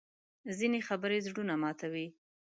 ځینې خبرې زړونه ماتوي